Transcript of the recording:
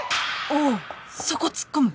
おおそこ突っ込む！？